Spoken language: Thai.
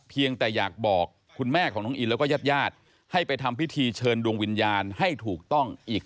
เพียงแต่อยากบอกคุณแม่ของน้องอินและก็ญาติญาติ